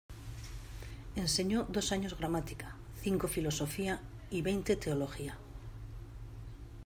Enseñó dos años gramática, cinco filosofía y veinte teología.